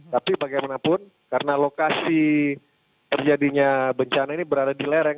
tapi bagaimanapun karena lokasi terjadinya bencana ini berada di lereng